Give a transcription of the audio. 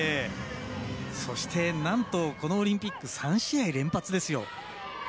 そして、なんとこのオリンピック３試合連発ですよ。